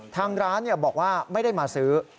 ทางร้านบอกว่าไม่ได้มาซื้อ